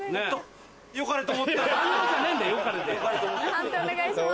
判定お願いします。